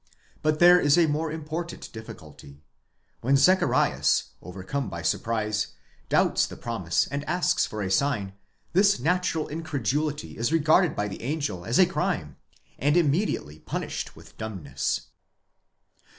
But there is a more important difficulty. When Zacharias, overcome by surprise, doubts the promise and asks for a sign, this natural incredulity is regarded by the angel as a crime, and immediately punished with dumbness.